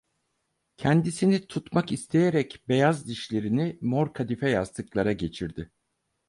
Kendisini tutmak isteyerek, beyaz dişlerini mor kadife yastıklara geçirdi…